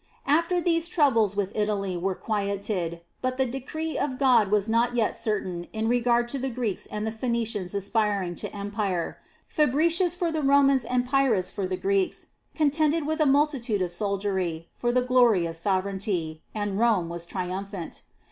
"^ 5. After these troubleswith Italy were quieted, but the decree of God was not yet certain in regard to the Greeks and the Phoenicians aspir ing to Empire, Fabricius for the Romans and Pyrrhus for the Greeks contended with a mul titude of soldiery for the glory of sovereignty, and Rome was triumphant.